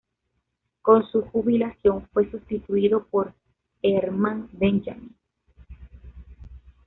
Con su jubilación, fue sustituido por Herman Benjamin.